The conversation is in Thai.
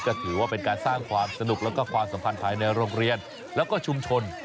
ก็ถือว่าเป็นการสร้างความสนุกแล้วก็ความสัมพันธ์ภายในโรงเรียนแล้วก็ชุมชน